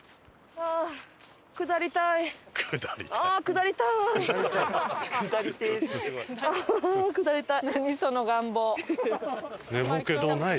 ああ下りたい。